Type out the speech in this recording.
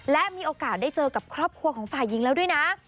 และมีโอกาสได้เจอกับครอบครัวของฝ่ายหญิงแล้วด้วยนะ